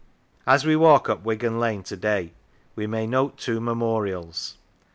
As we walk up Wigan Lane to day we may note two memorials.